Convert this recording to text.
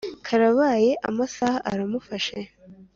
Karabaye amasaha aramfashe